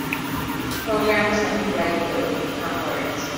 Programmers like to write code; not words.